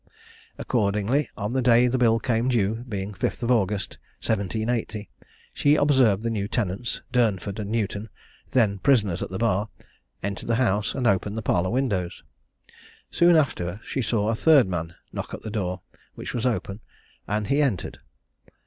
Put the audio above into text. Accordingly, on the day the bill became due, being the 5th of August, 1780, she observed the new tenants, Durnford and Newton, then prisoners at the bar, enter the house, and open the parlour windows. Soon after she saw a third man knock at the door, which was open, and he entered.